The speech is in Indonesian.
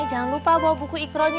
jangan lupa bawa buku ikronnya ya